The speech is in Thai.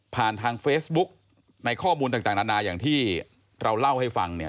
ทางเฟซบุ๊กในข้อมูลต่างนานาอย่างที่เราเล่าให้ฟังเนี่ย